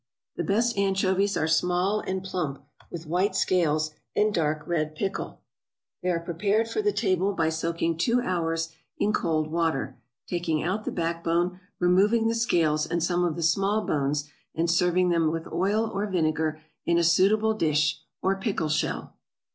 _) The best anchovies are small and plump, with white scales, and dark red pickle; they are prepared for the table by soaking two hours in cold water, taking out the back bone, removing the scales and some of the small bones, and serving them with oil or vinegar in a suitable dish, or pickle shell.